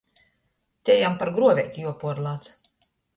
Te jam par gruoveiti juopuorlāc.